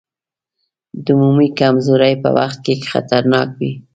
د عمومي کمزورۍ په وخت کې خطرناک وي.